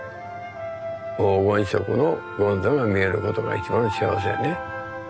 黄金色の権座が見えることが一番幸せやね。